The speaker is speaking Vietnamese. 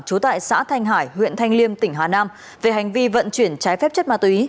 trú tại xã thanh hải huyện thanh liêm tỉnh hà nam về hành vi vận chuyển trái phép chất ma túy